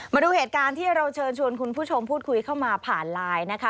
มาดูเหตุการณ์ที่เราเชิญชวนคุณผู้ชมพูดคุยเข้ามาผ่านไลน์นะคะ